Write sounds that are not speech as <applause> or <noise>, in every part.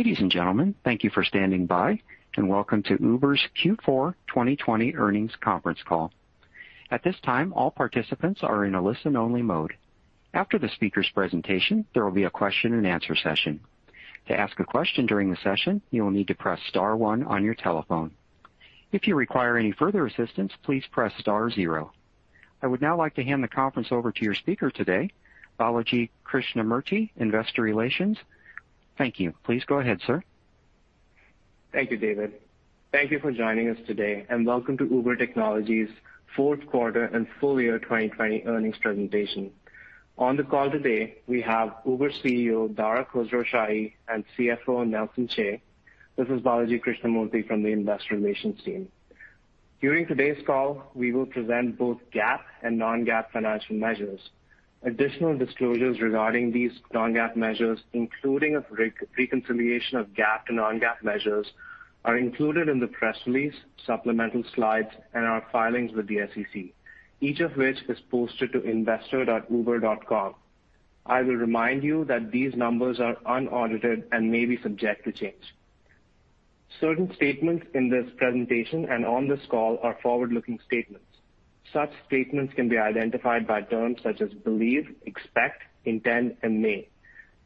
Ladies and gentlemen, thank you for standing by and welcome to Uber's Q4 2020 earnings conference call. At this time, all participants are in a listen-only mode. After the speaker's presentation. There will be a question and answer session. To ask a question during the session, you will need to press star one on your telephone. If you require any further assistance. Please press star zero. I would now like to hand the conference over to your speaker today, Balaji Krishnamurthy, Investor Relations. Thank you. Please go ahead, sir. Thank you, David. Thank you for joining us today, and welcome to Uber Technologies' 4th quarter and full year 2020 earnings presentation. On the call today, we have Uber CEO, Dara Khosrowshahi, and CFO, Nelson Chai. This is Balaji Krishnamurthy from the Investor Relations team. During today's call, we will present both GAAP and non-GAAP financial measures. Additional disclosures regarding these non-GAAP measures, including a re-reconciliation of GAAP to non-GAAP measures, are included in the press release. Supplemental slides and our filings with the SEC, each of which is posted to investor.uber.com. I will remind you that these numbers are unaudited and may be subject to change. Certain statements in this presentation and on this call are forward-looking statements. Such statements can be identified by terms such as believe, expect, intend, and may.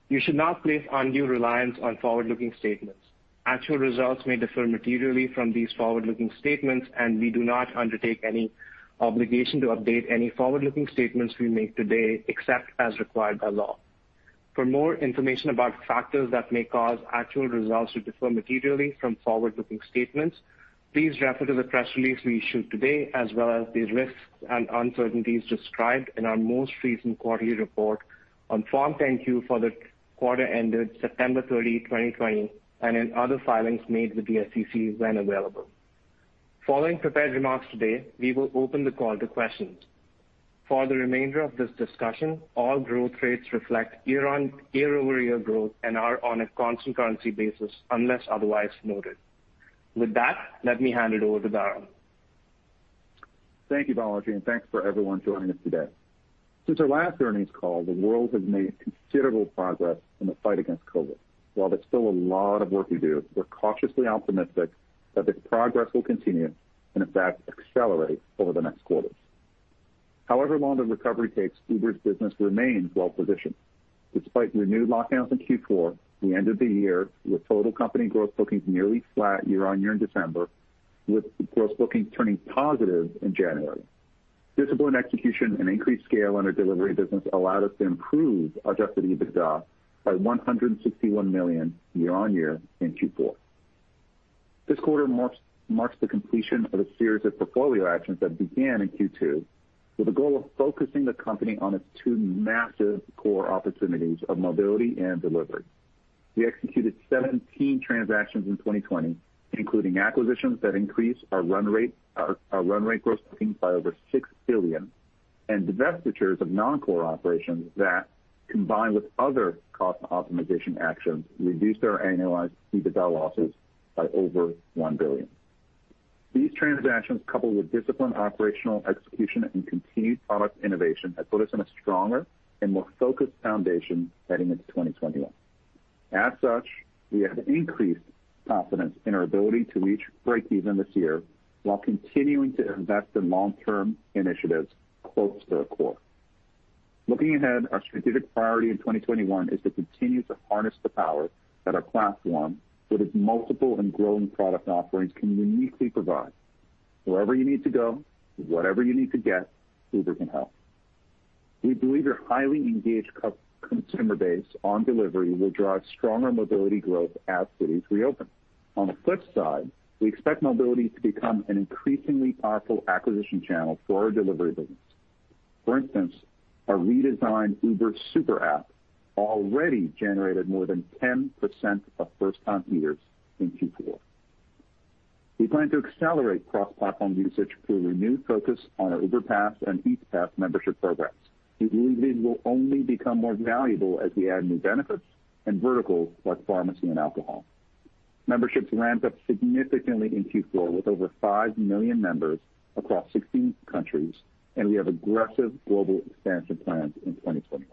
You should not place undue reliance on forward-looking statements. Actual results may differ materially from these forward-looking statements. We do not undertake any obligation to update any forward-looking statements we make today, except as required by law. For more information about factors that may cause actual results to differ materially from forward-looking statements. Please refer to the press release we issued today. As well as the risks and uncertainties described in our most recent quarterly report on Form 10-Q for the quarter ended September 30, 2020, and in other filings made with the SEC when available. Following prepared remarks today, we will open the call to questions. For the remainder of this discussion, all growth rates reflect year-over-year growth and are on a constant currency basis unless otherwise noted. With that, let me hand it over to Dara. Thank you Balaji, and thanks for everyone joining us today. Since our last earnings call, the world has made considerable progress in the fight against COVID. While there's still a lot of work to do, we're cautiously optimistic that this progress will continue and in fact accelerate over the next quarters. However long the recovery takes, Uber's business remains well-positioned. Despite renewed lockdowns in Q4, we ended the year with total company Gross Bookings nearly flat year-on-year in December, with Gross Bookings turning positive in January. Disciplined execution and increased scale in our delivery business allowed us to improve adjusted EBITDA by $161 million year-on-year in Q4. This quarter marks the completion of a series of portfolio actions that began in Q2, with a goal of focusing the company on its two massive core opportunities of mobility and delivery. We executed 17 transactions in 2020, including acquisitions that increased our run rate Gross Bookings by over $6 billion and divestitures of non-core operations that combined with other cost optimization actions, reduced our annualized EBITDA losses by over $1 billion. These transactions, coupled with disciplined operational execution and continued product innovation have put us in a stronger and more focused foundation heading into 2021. As such, we have increased confidence in our ability to reach breakeven this year while continuing to invest in long-term initiatives close to our core. Looking ahead, our strategic priority in 2021 is to continue to harness the power that our platform, with its multiple and growing product offerings, can uniquely provide. Wherever you need to go whatever you need to get, Uber can help. We believe our highly engaged consumer base on delivery will drive stronger mobility growth as cities reopen. On the flip side, we expect mobility to become an increasingly powerful acquisition channel for our delivery business. For instance, our redesigned Uber Super App already generated more than 10% of first-time eaters in Q4. We plan to accelerate cross-platform usage through renewed focus on our Uber Pass and Eats Pass membership programs. We believe these will only become more valuable as we add new benefits and verticals like pharmacy and alcohol. Memberships ramped up significantly in Q4 with over 5 million members across 16 countries. We have aggressive global expansion plans in 2021.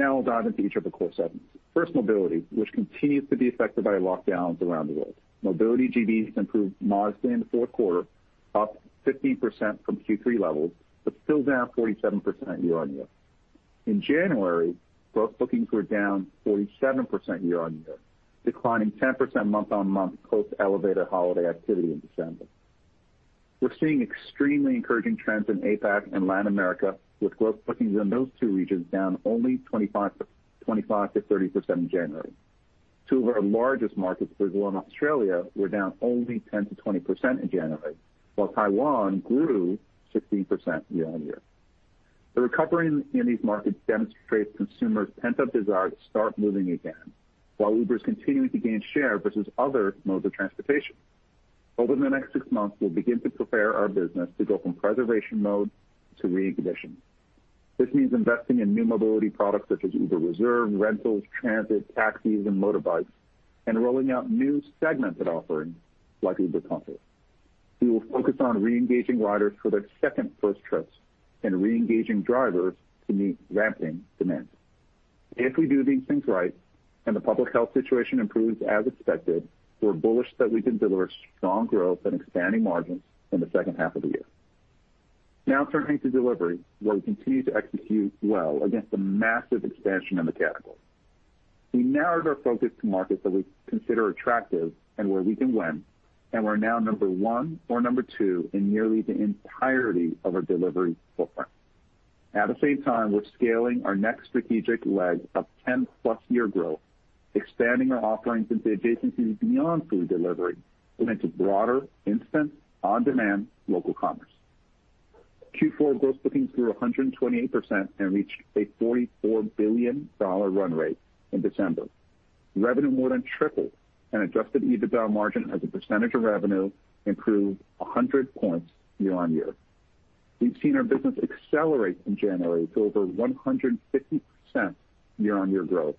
I'll dive into each of the core segments. First, Mobility, which continues to be affected by lockdowns around the world. Mobility GBs improved modestly in the fourth quarter, up 15% from Q3 levels, but still down 47% year-on-year. In January, Gross Bookings were down 47% year-on-year, declining 10% month-on-month close to elevated holiday activity in December. We're seeing extremely encouraging trends in APAC and Latin America, with Gross Bookings in those two regions down only 25%-30% in January. Two of our largest markets Brazil and Australia, were down only 10%-20% in January, while Taiwan grew 16% year-on-year. The recovery in these markets demonstrates consumers' pent-up desire to start moving again. While Uber is continuing to gain share versus other modes of transportation. Over the next six months, we'll begin to prepare our business to go from preservation mode to re-ignition. This means investing in new mobility products such as Uber Reserve, rentals, transit, taxis, and motorbikes, and rolling out new segmented offerings like Uber Comfort. We will focus on re-engaging riders for their second first trips and re-engaging drivers to meet ramping demand. If we do these things right and the public health situation improves as expected, we're bullish that we can deliver strong growth and expanding margins in the H2 of the year. Now turning to delivery, where we continue to execute well against a massive expansion in the category. We narrowed our focus to markets that we consider attractive and where we can win, and we're now number one or number two in nearly the entirety of our delivery footprint. At the same time, we're scaling our next strategic leg of 10-plus year growth, expanding our offerings into adjacencies beyond food delivery and into broader instant on-demand local commerce. Q4 Gross Bookings grew 128% and reached a $44 billion run rate in December. Revenue more than tripled, and adjusted EBITDA margin as a percentage of revenue improved 100 points year-on-year. We've seen our business accelerate in January to over 150% year-on-year growth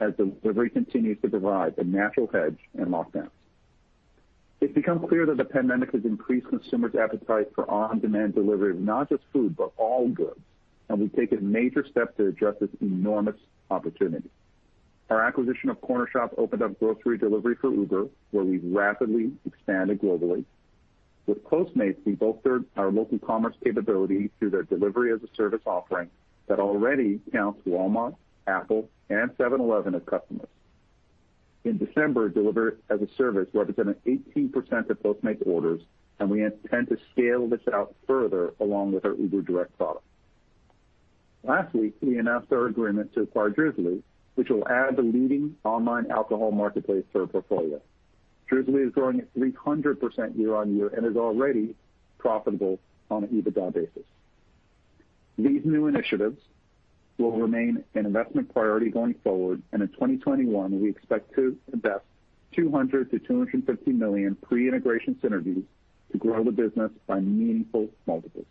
as delivery continues to provide the natural hedge in lockdowns. It's become clear that the pandemic has increased consumers' appetite for on-demand delivery of not just food but all goods, and we've taken major steps to address this enormous opportunity. Our acquisition of Cornershop opened up grocery delivery for Uber, where we've rapidly expanded globally. With Postmates, we bolstered our local commerce capability through their delivery as a service offering that already counts Walmart, Apple, and 7-Eleven as customers. In December, delivery-as-a-service represented 18% of Postmates orders, and we intend to scale this out further along with our Uber Direct product. Last week, we announced our agreement to acquire Drizly, which will add the leading online alcohol marketplace to our portfolio. Drizly is growing at 300% year-on-year and is already profitable on an EBITDA basis. These new initiatives will remain an investment priority going forward and in 2021, we expect to invest $200 million-$250 million pre-integration synergies to grow the business by meaningful multiples.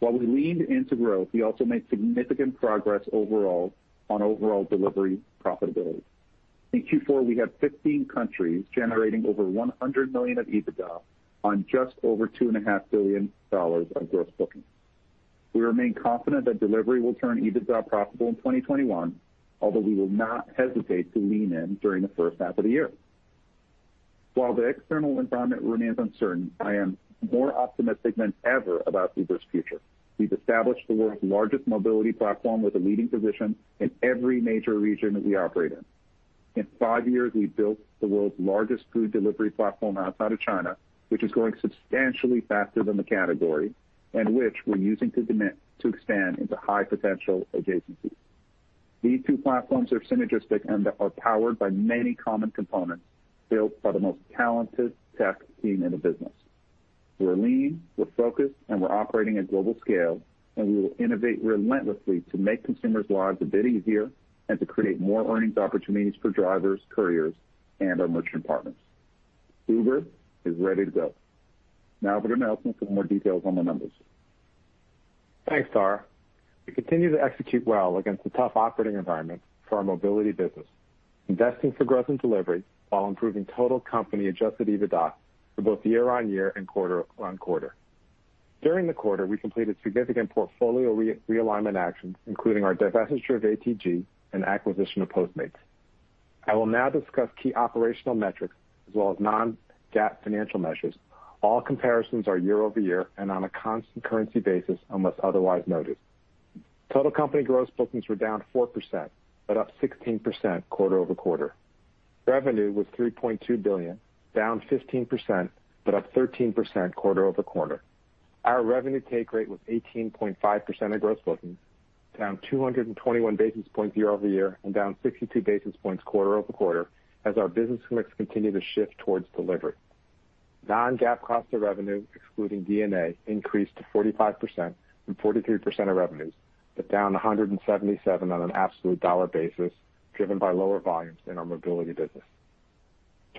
While we leaned into growth, we also made significant progress overall on overall delivery profitability. In Q4, we had 15 countries generating over $100 million of EBITDA on just over $2.5 Billion of Gross Bookings. We remain confident that delivery will turn EBITDA profitable in 2021, although we will not hesitate to lean in during the H1 of the year. While the external environment remains uncertain, I am more optimistic than ever about Uber's future. We've established the world's largest mobility platform with a leading position in every major region that we operate in. In five years, we've built the world's largest food delivery platform outside of China, which is growing substantially faster than the category, and which we're using to expand into high-potential adjacencies. These two platforms are synergistic and are powered by many common components built by the most talented tech team in the business. We're lean, we're focused, and we're operating at global scale, and we will innovate relentlessly to make consumers' lives a bit easier and to create more earnings opportunities for drivers, couriers, and our merchant partners. Uber is ready to go. Now over to Nelson for more details on the numbers. Thanks, Dara. We continue to execute well against a tough operating environment for our mobility business, investing for growth and delivery while improving total company adjusted EBITDA for both year-on-year and quarter-on-quarter. During the quarter, we completed significant portfolio re-realignment actions. Including our divestiture of ATG and acquisition of Postmates. I will now discuss key operational metrics as well as non-GAAP financial measures. All comparisons are year-over-year and on a constant currency basis. Unless otherwise noted. Total company Gross Bookings were down 4%, but up 16% quarter-over-quarter. Revenue was $3.2 billion, down 15%, but up 13% quarter-over-quarter. Our revenue take rate was 18.5% of Gross Bookings, down 221 basis points year-over-year and down 62 basis points quarter-over-quarter as our business mix continued to shift towards delivery. Non-GAAP cost of revenue, excluding D&A, increased to 45% from 43% of revenues, down $177 on an absolute dollar basis. Driven by lower volumes in our mobility business.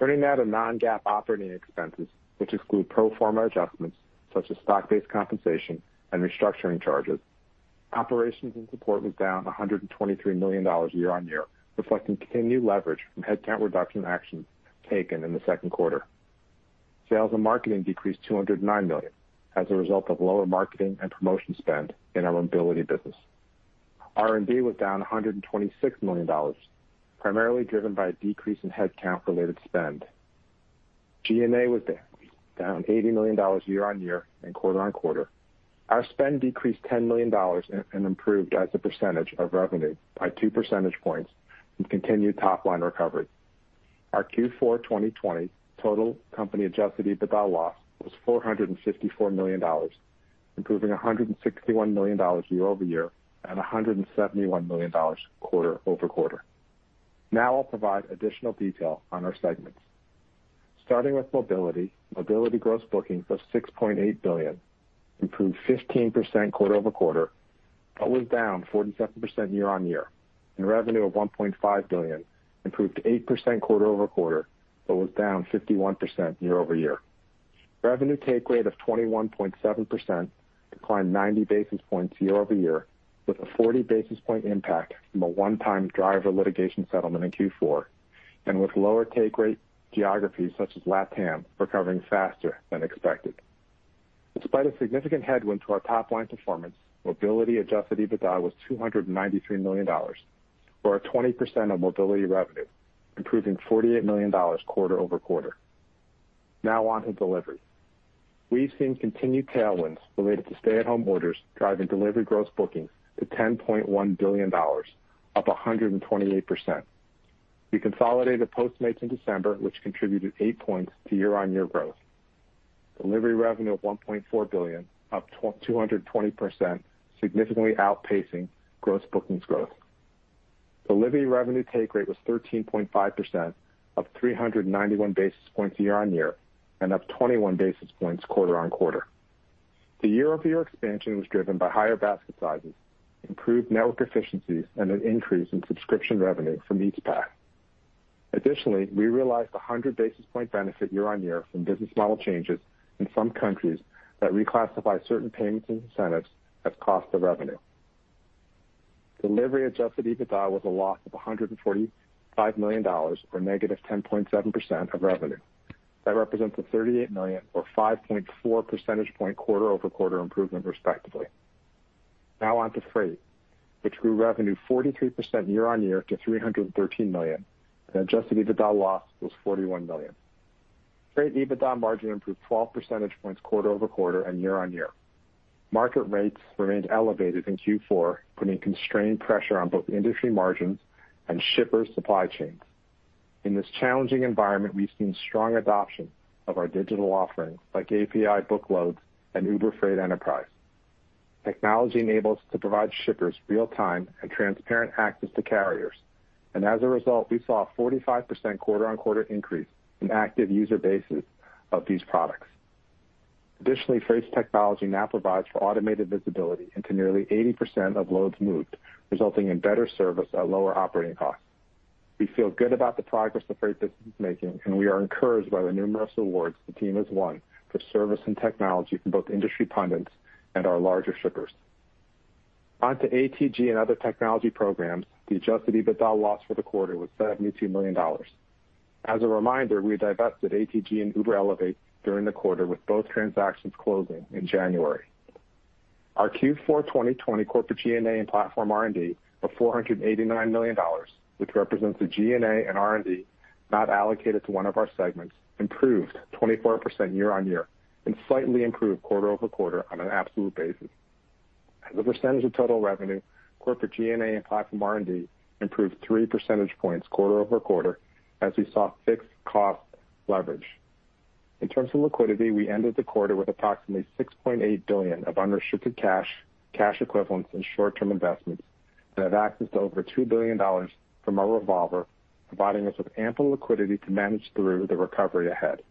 Turning now to non-GAAP operating expenses, which exclude pro forma adjustments such as stock-based compensation and restructuring charges. Operations and support was down $123 million year-on-year, reflecting continued leverage from headcount reduction actions taken in the second quarter. Sales and marketing decreased $209 million as a result of lower marketing and promotion spend in our mobility business. R&D was down $126 million, primarily driven by a decrease in headcount-related spend. G&A was down $80 million year-on-year and quarter-on-quarter. Our spend decreased $10 million and improved as a percentage of revenue by 2% points with continued top-line recovery. Our Q4 2020 total company adjusted EBITDA loss was $454 million, improving $161 million year-over-year and $171 million quarter-over-quarter. I'll provide additional detail on our segments. Starting with Mobility Gross Bookings was $6.8 billion, improved 15% quarter-over-quarter, but was down 47% year-over-year. Revenue of $1.5 billion improved 8% quarter-over-quarter, but was down 51% year-over-year. Revenue take rate of 21.7% declined 90 basis points year-over-year, with a 40 basis point impact from a one-time driver litigation settlement in Q4 and with lower take rate geographies such as LATAM recovering faster than expected. Despite a significant headwind to our top line performance, mobility adjusted EBITDA was $293 million, or 20% of mobility revenue, improving $48 million quarter-over-quarter. On to delivery. We've seen continued tailwinds related to stay-at-home orders driving delivery Gross Bookings to $10.1 billion, up 128%. We consolidated Postmates in December, which contributed eight points to year-on-year growth. Delivery revenue of $1.4 billion, up 220%, significantly outpacing Gross Bookings growth. Delivery revenue take rate was 13.5%, up 391 basis points year-on-year and up 21 basis points quarter-on-quarter. The year-over-year expansion was driven by higher basket sizes. Improved network efficiencies and an increase in subscription revenue from Eats Pass. Additionally, we realized 100 basis point benefit year-on-year from business model changes in some countries that reclassify certain payments and incentives as cost of revenue. Delivery adjusted EBITDA was a loss of $145 million, or negative 10.7% of revenue. That represents a $38 million or 5.4% point quarter-over-quarter improvement respectively. Now on to Freight, which grew revenue 43% year-on-year to $313 million, and adjusted EBITDA loss was $41 million. Freight EBITDA margin improved 12% points quarter-over-quarter and year-on-year. Market rates remained elevated in Q4, putting constrained pressure on both industry margins and shipper supply chains. In this challenging environment, we've seen strong adoption of our digital offerings like API Book Loads and Uber Freight Enterprise. Technology enables to provide shippers real-time and transparent access to carriers. As a result, we saw a 45% quarter-on-quarter increase in active user bases of these products. Additionally, Freight's technology now provides for automated visibility into nearly 80% of loads moved, resulting in better service at lower operating costs. We feel good about the progress that Freight is making, and we are encouraged by the numerous awards the team has won for service and technology from both industry pundits and our larger shippers. Onto ATG and other technology programs, the adjusted EBITDA loss for the quarter was $72 million. As a reminder, we divested ATG and Uber Elevate during the quarter with both transactions closing in January. Our Q4 2020 corporate G&A and platform R&D of $489 million, which represents the G&A and R&D not allocated to one of our segments, improved 24% year-on-year and slightly improved quarter-over-quarter on an absolute basis. As a percentage of total revenue corporate G&A and platform R&D improved 3% points quarter-over-quarter as we saw fixed cost leverage. In terms of liquidity, we ended the quarter with approximately $6.8 billion of unrestricted cash equivalents, and short-term investments and have access to over $2 billion from our revolver, providing us with ample liquidity to manage through the recovery ahead.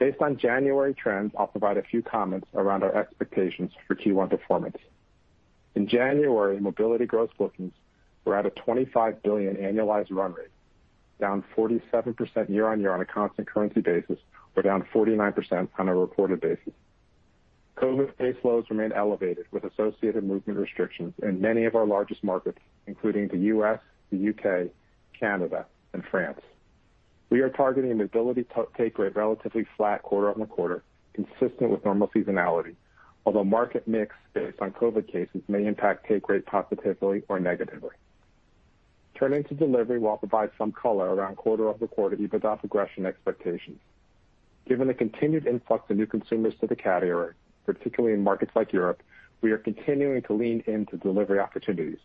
Based on January trends, I'll provide a few comments around our expectations for Q1 performance. In January, mobility Gross Bookings were at a $25 billion annualized run rate, down 47% year-on-year on a constant currency basis, or down 49% on a reported basis. Covid case loads remain elevated, with associated movement restrictions in many of our largest markets including the U.S., the U.K., Canada, and France. We are targeting a mobility take rate relatively flat quarter-over-quarter. Consistent with normal seasonality, although market mix based on Covid cases may impact take rate positively or negatively. Turning to delivery, we'll provide some color around quarter-over-quarter EBITDA progression expectations. Given the continued influx of new consumers to the category, particularly in markets like Europe, we are continuing to lean into delivery opportunities.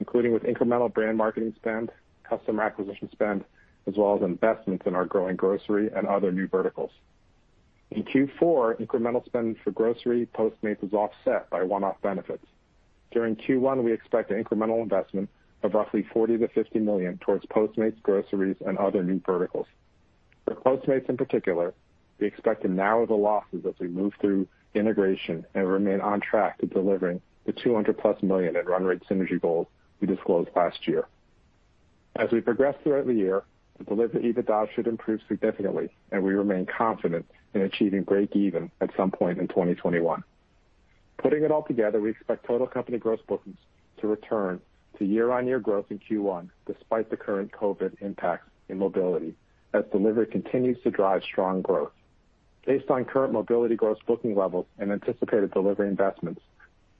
Including with incremental brand marketing spend, customer acquisition spend. As well as, investments in our growing grocery and other new verticals. In Q4, incremental spend for grocery Postmates was offset by one-off benefits. During Q1, we expect an incremental investment of roughly $40 million-$50 million towards Postmates, groceries, and other new verticals. For Postmates in particular, we expect to narrow the losses as we move through integration and remain on track to delivering the +$200 million in run rate synergy goals we disclosed last year. As we progress throughout the year. The delivery EBITDA should improve significantly, and we remain confident in achieving break even at some point in 2021. Putting it all together, we expect total company Gross Bookings to return to year-on-year growth in Q1, despite the current COVID impacts in mobility, as delivery continues to drive strong growth. Based on current mobility Gross Bookings levels and anticipated delivery investments,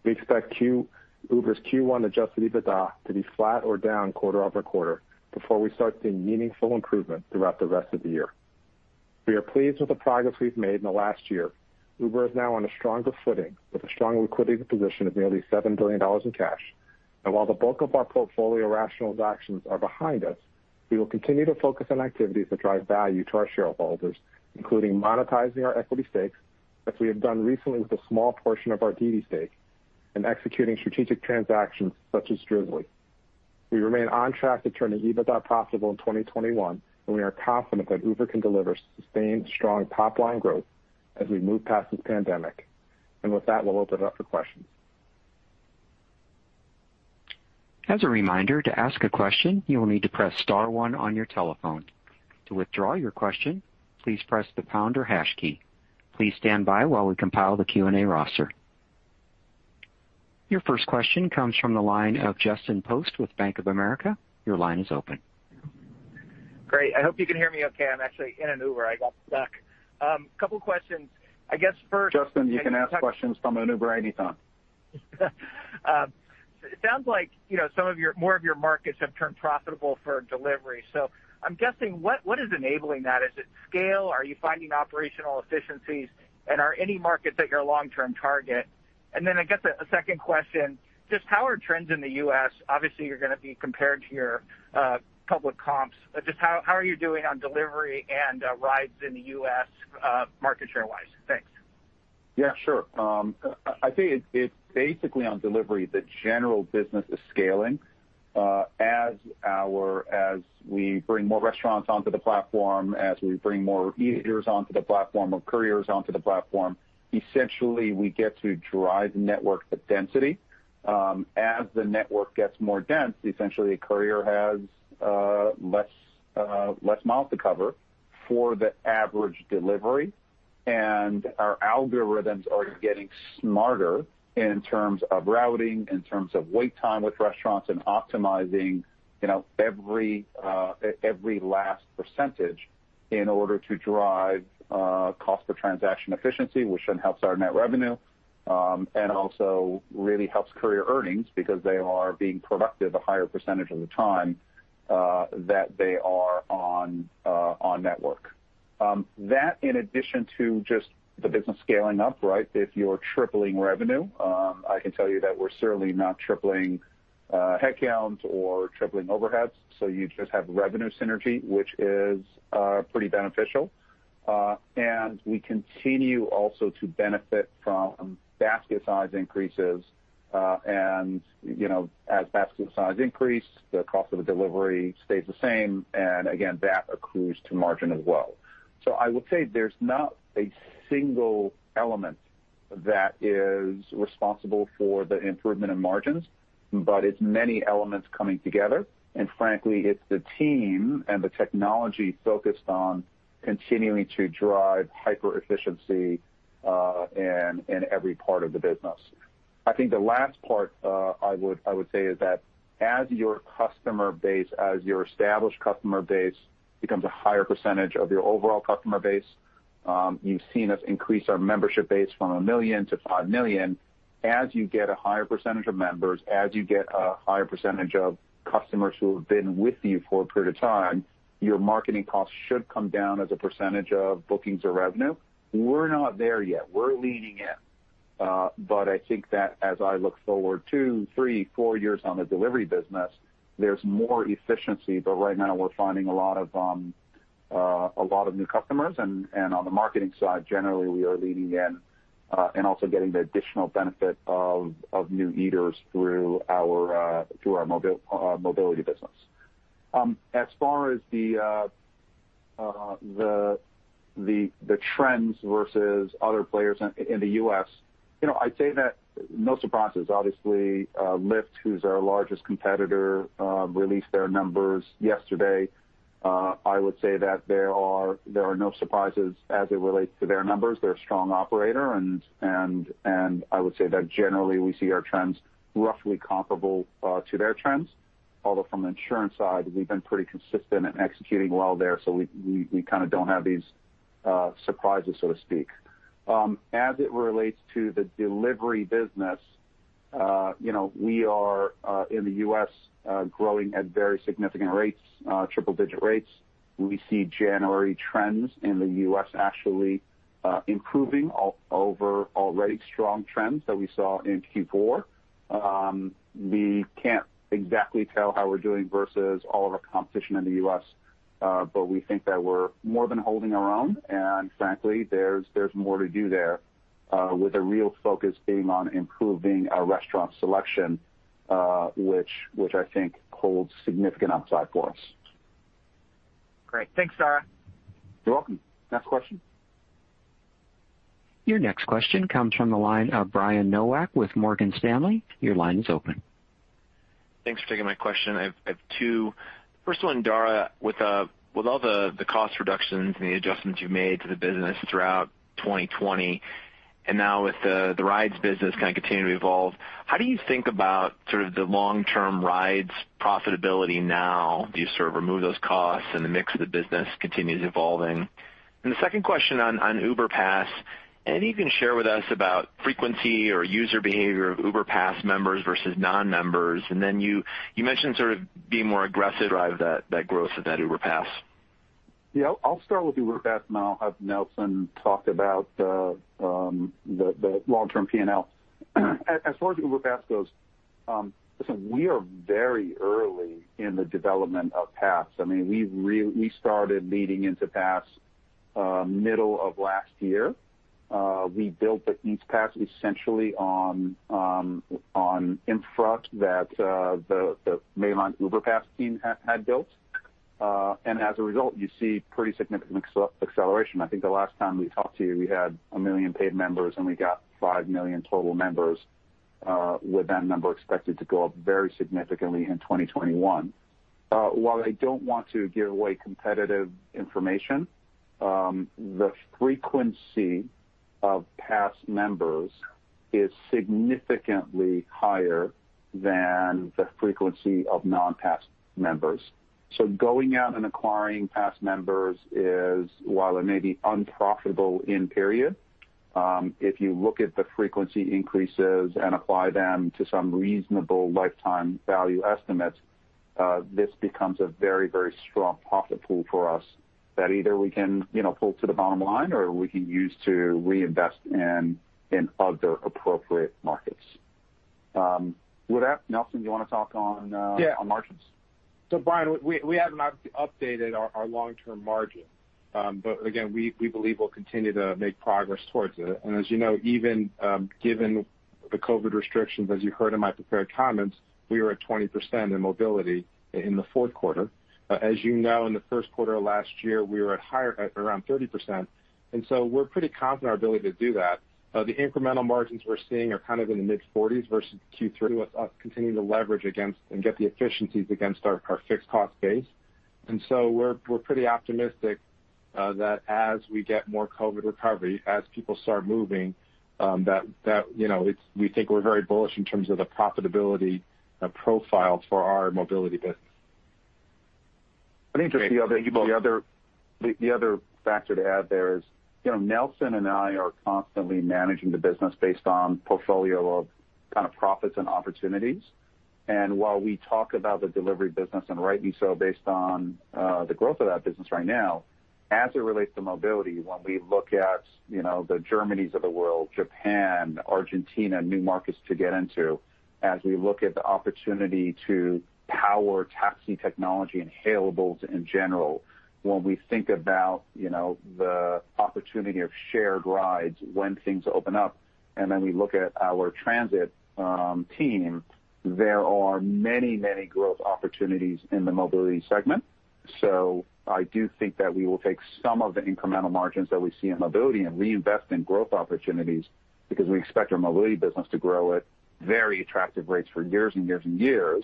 we expect Uber's Q1 adjusted EBITDA to be flat or down quarter-over-quarter before we start seeing meaningful improvement throughout the rest of the year. We are pleased with the progress we've made in the last year. Uber is now on a stronger footing with a strong liquidity position of nearly $7 billion in cash. While the bulk of our portfolio rational actions are behind us, we will continue to focus on activities that drive value to our shareholders, including monetizing our equity stakes, as we have done recently with a small portion of our DiDi stake, and executing strategic transactions such as Drizly. We remain on track to turn the EBITDA profitable in 2021, and we are confident that Uber can deliver sustained strong top line growth as we move past this pandemic. With that, we'll open it up for questions. Your first question comes from the line of Justin Post with Bank of America. Your line is open. Great. I hope you can hear me okay. I'm actually in an Uber. I got stuck. Couple questions. I guess first- Justin, you can ask questions from an Uber anytime. It sounds like, you know, more of your markets have turned profitable for delivery. I'm guessing what is enabling that? Is it scale? Are you finding operational efficiencies? Are any markets at your long-term target? Then I guess a second question, just how are trends in the U.S.? Obviously, you're gonna be compared to your public comps. Just how are you doing on delivery and rides in the U.S. market share-wise? Thanks. Yeah, sure. I think it's basically on delivery, the general business is scaling. As we bring more restaurants onto the platform, as we bring more eaters onto the platform or couriers onto the platform. Essentially, we get to drive network density. As the network gets more dense. Essentially, a courier has less miles to cover for the average delivery. Our algorithms are getting smarter in terms of routing, in terms of wait time with restaurants and optimizing, you know, every last percentage in order to drive cost per transaction efficiency, which then helps our net revenue and also really helps courier earnings because they are being productive a higher percentage of the time that they are on network. That in addition to just the business scaling up, right? If you're tripling revenue, I can tell you that we're certainly not tripling headcounts or tripling overheads. So, you just have revenue synergy, which is pretty beneficial. We continue also to benefit from basket size increases and, you know, as basket size increase, the cost of a delivery stays the same and again that accrues to margin as well. I would say there's not a single element that is responsible for the improvement in margins. But it's many elements coming together. Frankly, it's the team and the technology focused on continuing to drive hyper-efficiency in every part of the business. I think the last part, I would say is that as your customer base, as your established customer base becomes a higher % of your overall customer base. You've seen us increase our membership base from 1 million to 5 million. As you get a higher percent of members, as you get a higher percent of customers who have been with you for a period of time, your marketing costs should come down as a percent of bookings or revenue. We're not there yet. We're leaning in, I think that as I look forward two, three, and four years on the delivery business, there's more efficiency. Right now we're finding a lot of new customers on the marketing side. Generally, we are leaning in and also getting the additional benefit of new eaters through our mobility business. As far as the trends versus other players in the U.S., you know, I'd say that no surprises. Obviously, Lyft who's our largest competitor. Released their numbers yesterday. I would say that there are no surprises as it relates to their numbers. They're a strong operator and I would say that generally we see our trends roughly comparable to their trends. Although from an insurance side, we've been pretty consistent at executing well there. So we kinda don't have these surprises, so to speak. As it relates to the delivery business, you know, we are in the U.S. growing at very significant rates, triple-digit rates. We see January trends in the U.S. actually improving over already strong trends that we saw in Q4. We can't exactly tell how we're doing versus all of our competition in the U.S. But we think that we're more than holding our own. Frankly, there's more to do there with the real focus being on improving our restaurant selection, which I think holds significant upside for us. Great. Thanks, Dara. You're welcome. Next question. Your next question comes from the line of Brian Nowak with Morgan Stanley. Your line is open. Thanks for taking my question. I have two. First one, Dara, with all the cost reductions and the adjustments you've made to the business throughout 2020, now with the rides business kind of continuing to evolve, how do you think about sort of the long-term rides profitability now that you've sort of removed those costs and the mix of the business continues evolving? The second question on Uber Pass, anything you can share with us about frequency or user behavior of Uber Pass members versus non-members? Then you mentioned sort of being more aggressive to drive that growth of that Uber Pass. I'll start with Uber Pass, and I'll have Nelson talk about the long-term P&L. As far as Uber Pass goes, listen, we are very early in the development of Pass. I mean, we started leading into Pass middle of last year. We built the Eats Pass essentially on infra that the mainline Uber Pass team had built. As a result, you see pretty significant acceleration. I think the last time we talked to you, we had 1 million paid members, and we got 5 million total members. With that number expected to go up very significantly in 2021. While I don't want to give away competitive information. The frequency of Pass members is significantly higher than the frequency of non-Pass members. Going out and acquiring Pass members is, while it may be unprofitable in period, if you look at the frequency increases and apply them to some reasonable lifetime value estimates, this becomes a very, very strong profit pool for us that either we can, you know, pull to the bottom line or we can use to reinvest in other appropriate markets. With that, Nelson, you wanna talk on? Yeah on margins? Brian, we have not updated our long-term margin. Again, we believe we'll continue to make progress towards it. As you know, even given the COVID restrictions, as you heard in my prepared comments. We are at 20% in mobility in the fourth quarter. As you know, in the first quarter of last year, we were at higher, at around 30%. We're pretty confident in our ability to do that. The incremental margins we're seeing are kind of in the mid-40s versus Q3 with us continuing to leverage against and get the efficiencies against our fixed cost base. We're pretty optimistic that as we get more COVID recovery, as people start moving that, you know, We think we're very bullish in terms of the profitability profile for our mobility business. <crosstalk> Let me just great. Thank you both. The other factor to add there is, you know, Nelson and I are constantly managing the business based on portfolio of kind of profits and opportunities. While we talk about the delivery business and rightly. So, based on the growth of that business right now, as it relates to mobility. When we look at, you know, the Germanys of the world, Japan, Argentina, new markets to get into as we look at the opportunity to power taxi technology and hailables in general. When we think about, you know, the opportunity of shared rides when things open up. Then we look at our transit team. There are many, many growth opportunities in the mobility segment. I do think that we will take some of the incremental margins that we see in mobility and reinvest in growth opportunities because we expect our mobility business to grow at very attractive rates for year-on-year.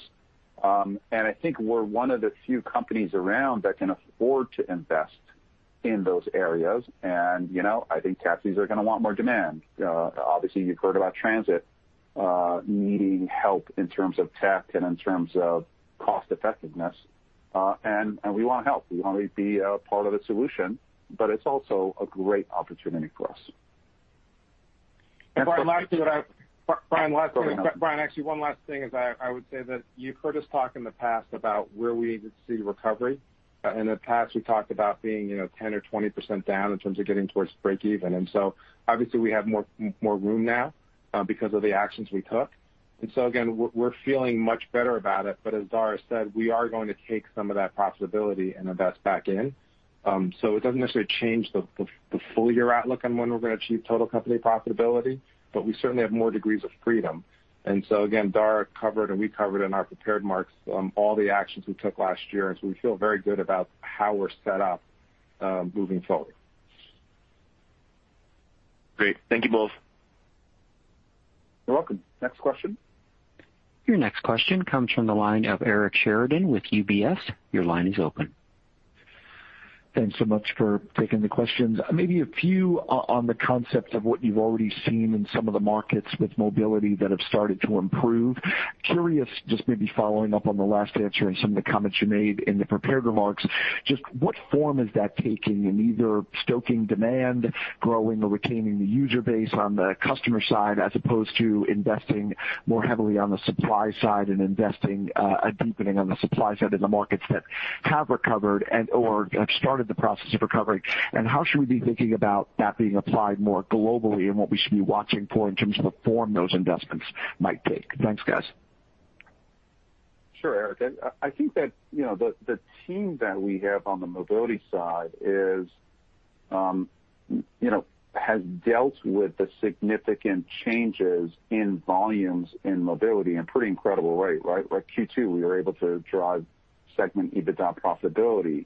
I think we're one of the few companies around that can afford to invest in those areas. You know, I think taxis are gonna want more demand. Obviously, you've heard about transit needing help in terms of tech and in terms of cost effectiveness. We wanna help. We wanna be a part of the solution, but it's also a great opportunity for us. Brian, lastly. Go ahead, Nelson. Brian, actually one last thing is I would say that you've heard us talk in the past about where we need to see recovery. In the past, we talked about being, you know, 10%-20% down in terms of getting towards breakeven. Obviously we have more room now because of the actions we took. Again, we're feeling much better about it. As Dara said, we are going to take some of that profitability and invest back in. It doesn't necessarily change the full year outlook on when we're gonna achieve total company profitability, but we certainly have more degrees of freedom. Again, Dara covered, and we covered in our prepared remarks, all the actions we took last year, and so we feel very good about how we're set up, moving forward. Great. Thank you both. You're welcome. Next question. Your next question comes from the line of Eric Sheridan with UBS. Your line is open. Thanks so much for taking the questions. Maybe a few on the concepts of what you've already seen in some of the markets with mobility that have started to improve. Curious, just maybe following up on the last answer and some of the comments you made in the prepared remarks. Just what form is that taking in either stoking demand, growing or retaining the user base on the customer side. As opposed to investing more heavily on the supply side and investing a deepening on the supply side in the markets that have recovered and have started the process of recovering? How should we be thinking about that being applied more globally and what we should be watching for in terms of the form those investments might take? Thanks, guys. Sure, Eric. I think that, you know, the team that we have on the mobility side has dealt with the significant changes in volumes in mobility in pretty incredible way, right. Like Q2, we were able to drive segment EBITDA profitability.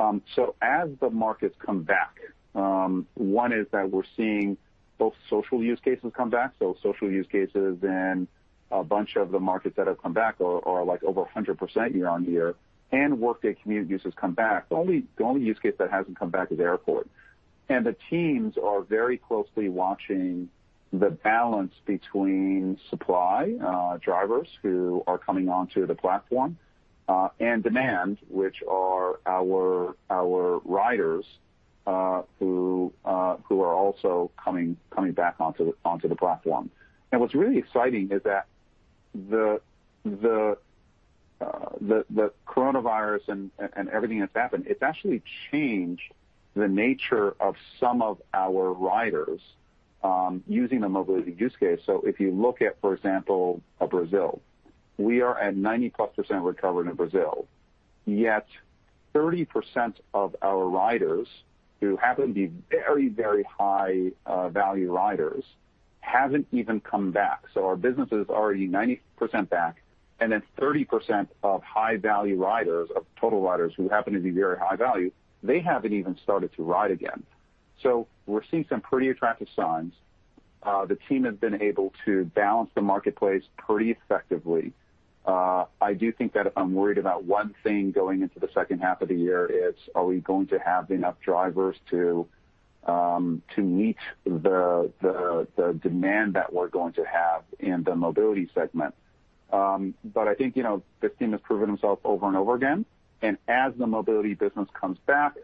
As the markets come back. One is that we're seeing both social use cases come back. So, social use cases in a bunch of the markets that have come back are like over 100% year-over-year, and workday commute users come back. The only use case that hasn't come back is airport. The teams are very closely watching the balance between supply, drivers who are coming onto the platform, and demand, which are our riders, who are also coming back onto the platform. What's really exciting is that the coronavirus and everything that's happened. It's actually changed the nature of some of our riders, using the mobility use case. If you look at. For example, Brazil, we are at 90% plus recovery in Brazil, yet 30% of our riders, who happen to be very, very high value riders. Hasn't even come back. Our business is already 90% back, and then 30% of high-value riders of total riders who happen to be very high value. They haven't even started to ride again. We're seeing some pretty attractive signs. The team have been able to balance the marketplace pretty effectively. I do think that if I'm worried about one thing going into the H2 of the year. It's are we going to have enough drivers to meet the demand that we're going to have in the mobility segment? I think, you know, this team has proven themselves over and over again, and as the mobility business comes back,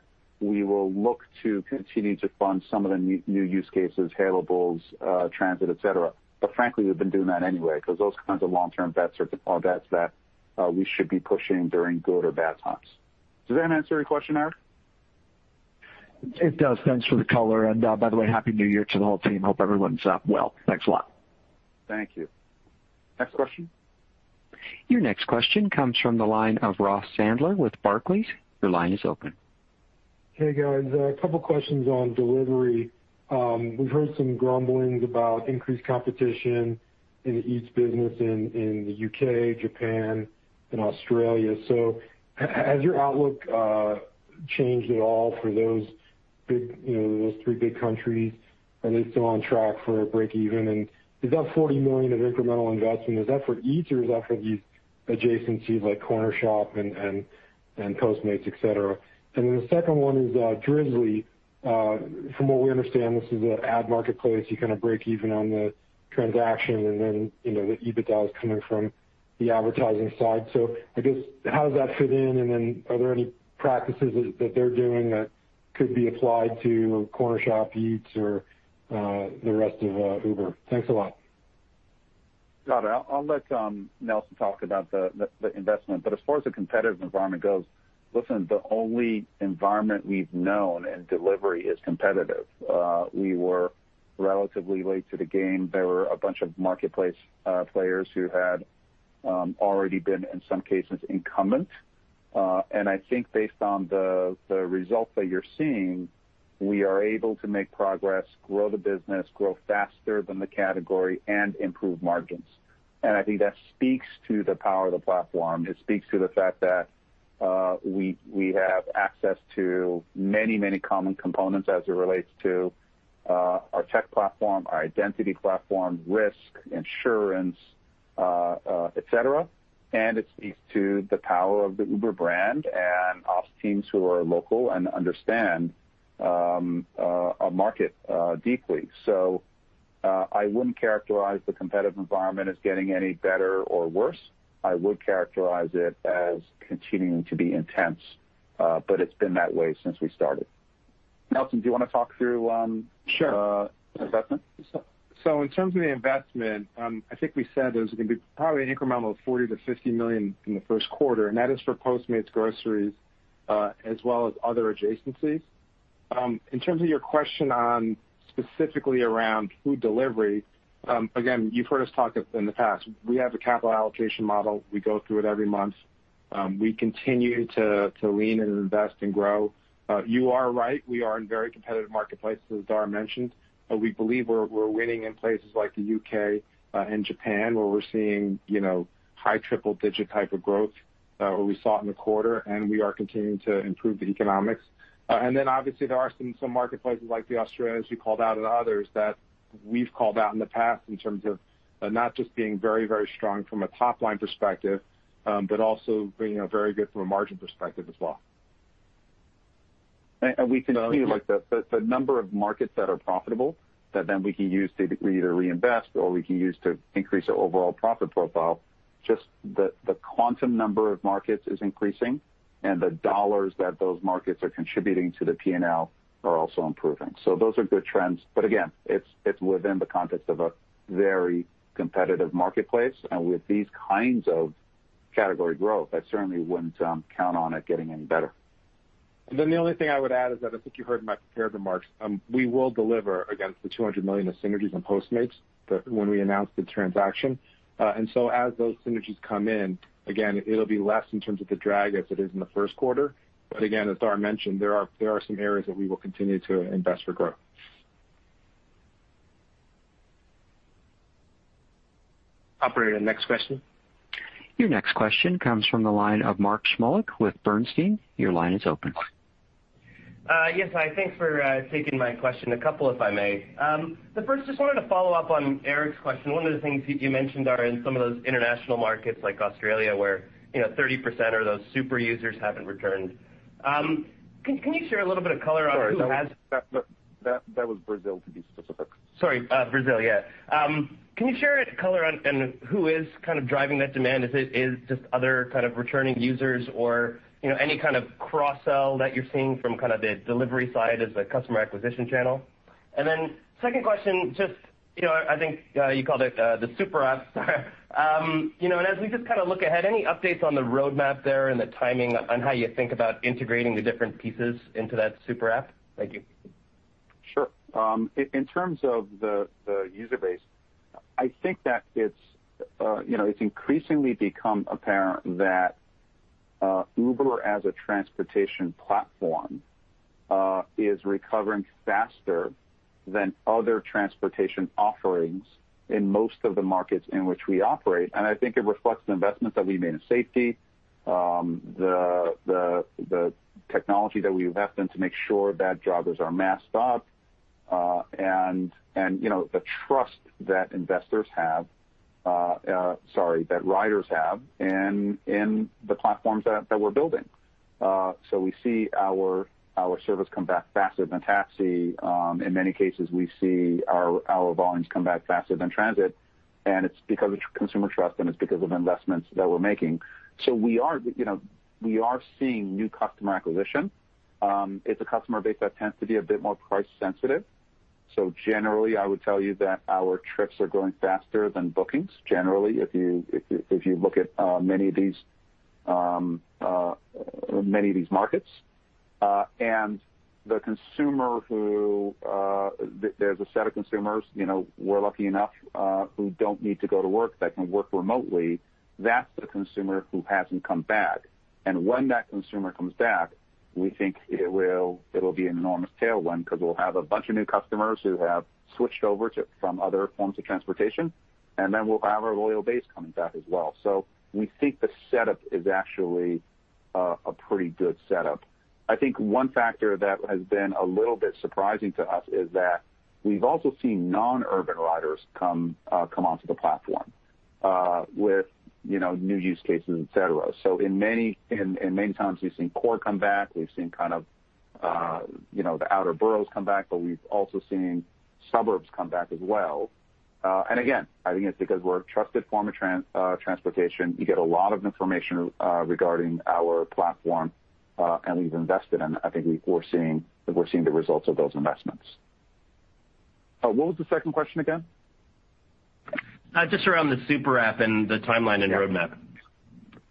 we will look to continue to fund some of the new use cases, hailables, transit, et cetera. Frankly, we've been doing that anyway because those kinds of long-term bets are the bets that we should be pushing during good or bad times. Does that answer your question, Eric? It does. Thanks for the color. By the way, happy New Year to the whole team. Hope everyone's well. Thanks a lot. Thank you. Next question. Your next question comes from the line of Ross Sandler with Barclays. Your line is open. Hey, guys. A couple questions on delivery. We've heard some grumblings about increased competition in the Eats business in the U.K., Japan, and Australia. Has your outlook changed at all for those big. Those three big countries? Are they still on track for a break even? Is that $40 million of incremental investment is that for Eats or is that for these adjacencies like Cornershop and Postmates, et cetera? The second one is Drizly. From what we understand, this is a ad marketplace. You kind of break even on the transaction, then the EBITDA is coming from the advertising side. I guess, how does that fit in, are there any practices that they're doing that could be applied to Cornershop, Eats, or the rest of Uber? Thanks a lot. Got it. I'll let Nelson talk about the investment. As far as the competitive environment goes, listen, the only environment we've known in delivery is competitive. We were relatively late to the game. There were a bunch of marketplace players who had already been in some cases, incumbent. I think based on the results that you're seeing, we are able to make progress, grow the business, grow faster than the category, and improve margins. I think that speaks to the power of the platform. It speaks to the fact that we have access to many common components as it relates to our tech platform, our identity platform, risk, insurance, et cetera. It speaks to the power of the Uber brand and ops teams who are local and understand a market deeply. I wouldn't characterize the competitive environment as getting any better or worse. I would characterize it as continuing to be intense, but it's been that way since we started. Nelson, do you wanna talk through the investment piece? Sure, in terms of the investment, I think we said there's going to be probably an incremental of $40 million-$50 million in the first quarter, and that is for Postmates groceries, as well as other adjacencies. In terms of your question on specifically around food delivery, again, you've heard us talk in the past. We have a capital allocation model. We go through it every month. We continue to lean and invest and grow. You are right, we are in very competitive marketplaces as Dara mentioned. But we believe we're winning in places like the U.K. and Japan, where we're seeing, you know, high triple-digit type of growth, what we saw in the quarter, and we are continuing to improve the economics. Obviously there are some marketplaces like the Australia, as you called out and others that we've called out in the past in terms of not just being very, very strong from a top-line perspective, but also being very good from a margin perspective as well <crosstalk> and we continue. Like, the number of markets that are profitable that we can use to either reinvest or we can use to increase our overall profit profile. Just the quantum number of markets is increasing and the dollars that those markets are contributing to the P&L are also improving. Those are good trends. Again, it's within the context of a very competitive marketplace. With these kinds of category growth, I certainly wouldn't count on it getting any better. The only thing I would add is that I think you heard in my prepared remarks, we will deliver against the $200 million of synergies on Postmates when we announced the transaction. As those synergies come in. Again, it'll be less in terms of the drag as it is in the first quarter. Again, as Dara mentioned there are some areas that we will continue to invest for growth. Operator, next question. Your next question comes from the line of Mark Shmulik with Bernstein. Your line is open. Yes, hi. Thanks for taking my question. A couple if I may. The first, just wanted to follow up on Eric's question. One of the things you mentioned are in some of those international markets like Australia, where, you know, 30% or those super users haven't returned. Can you share a little bit of color on who has? Sorry, that was Brazil, to be specific. Sorry, Brazil, yeah. Can you share color on and who is kind of driving that demand? Is it just other kind of returning users or, you know, any kind of cross-sell that you're seeing from kind of the delivery side as a customer acquisition channel? Second question, just, you know, I think, you called it the Uber Super App. You know, as we just kinda look ahead, any updates on the roadmap there and the timing on how you think about integrating the different pieces into that Uber Super App? Thank you. Sure. In terms of the user base, I think that it's, you know, it's increasingly become apparent that Uber as a transportation platform is recovering faster than other transportation offerings in most of the markets in which we operate. I think it reflects the investments that we made in safety, the technology that we invest in to make sure that drivers are masked up and, you know, the trust that investors have, sorry, that riders have in the platforms that we're building. We see our service come back faster than taxi. In many cases, we see our volumes come back faster than transit, and it's because of consumer trust, and it's because of investments that we're making. We are, you know, we are seeing new customer acquisition. It's a customer base that tends to be a bit more price sensitive. Generally, I would tell you that our trips are growing faster than bookings. Generally, if you look at many of these markets, and the consumer who there's a set of consumers, you know, we're lucky enough. Who don't need to go to work, that can work remotely. That's the consumer who hasn't come back. When that consumer comes back. We think it will, it'll be an enormous tailwind cause we'll have a bunch of new customers who have switched over from other forms of transportation, and then we'll have our loyal base coming back as well. We think the setup is actually a pretty good setup. I think one factor that has been a little bit surprising to us is that we've also seen non-urban riders come onto the platform. With, you know, new use cases, et cetera. In many times we've seen core come back. We've seen kind of, you know, the outer boroughs come back, but we've also seen suburbs come back as well. Again, I think it's because we're a trusted form of transportation. You get a lot of information regarding our platform, and we've invested, and I think we're seeing the results of those investments. What was the second question again? Just around the Super App and the timeline and roadmap.